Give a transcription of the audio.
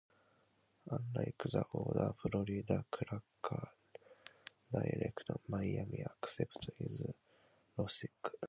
Unlike the older Florida Cracker dialect, "Miami accent" is rhotic.